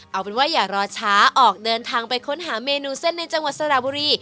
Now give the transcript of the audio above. เอาเป็นว่าอย่ารอช้าออกเดินทางไปค้นหาเมนูเส้นในจังหวัดสระบุรี